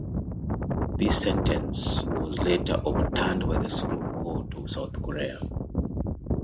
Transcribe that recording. This sentence was later overturned by the Supreme Court of South Korea.